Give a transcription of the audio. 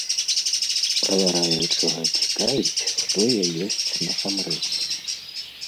Правяраючага цікавіць, хто я ёсць насамрэч.